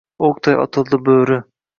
O‘qday otildi bo‘ri.